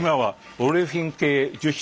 オレフィン系樹脂？